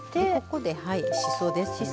ここではいしそですね。